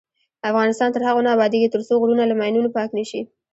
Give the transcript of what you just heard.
افغانستان تر هغو نه ابادیږي، ترڅو غرونه له ماینونو پاک نشي.